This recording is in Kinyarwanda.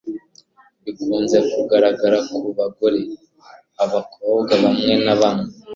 bikunze kugaragara ku abagore/abakobwa bamwe na bamwe